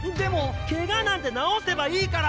ケガなんて治せばいいから！